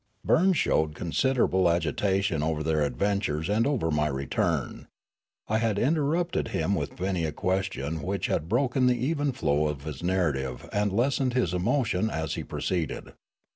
Burns showed considerable agitation over their ad ventures and over my return. I had interrupted him with many a question which had broken the even flow of his narrative and lessened his emotion as he pro ceeded.